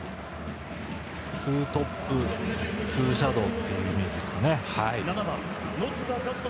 ツートップツーシャドーっていうイメージですね。